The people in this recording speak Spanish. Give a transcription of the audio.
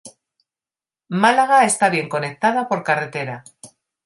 Málaga está bien conectada por carretera.